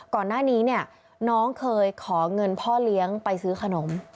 ก่อนหน้านี้เนี่ยน้องเคยขอเงินพ่อเลี้ยงไปซื้อขนม